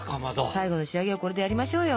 最後の仕上げはこれでやりましょうよ。